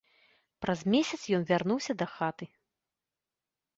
Праз месяц ён вярнуўся дахаты.